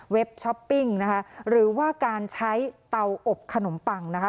ช้อปปิ้งนะคะหรือว่าการใช้เตาอบขนมปังนะคะ